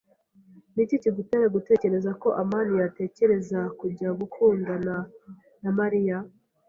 Ni iki kigutera gutekereza ko amani yatekereza kujya gukundana na Mariya?